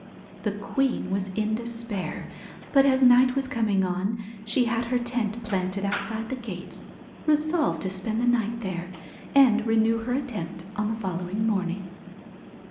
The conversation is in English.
'The queen was in despair, but as night was coming on she had her tent planted outside the gates, resolved to spend the night there, and renew her attempt on the following morning.